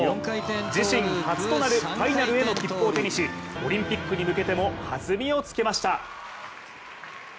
自身初となるファイナルへの切符を手にし、オリンピックに向けても弾みをつけました。